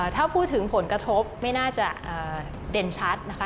ถ้าพูดถึงผลกระทบไม่น่าจะเด่นชัดนะคะ